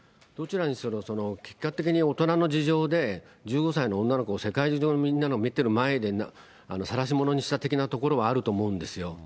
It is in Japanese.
どちらにせよ、結果的に大人の事情で、１５歳の女の子を、世界中のみんなが見てる前でさらし者にしたところはあると思うんですよ。